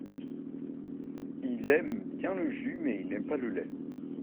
Il aime bien le jus mais il n'aime pas le lait.